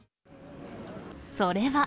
それは。